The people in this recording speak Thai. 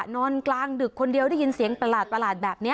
นอนกลางดึกคนเดียวได้ยินเสียงประหลาดแบบนี้